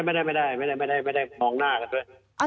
ไม่ได้มองหน้ากันด้วย